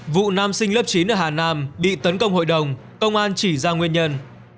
vụ nam sinh lớp chín ở hà nam bị tấn công hội đồng công an chỉ ra nguyên nhân